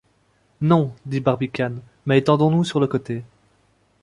Non, dit Barbicane, mais étendons-nous sur le côté.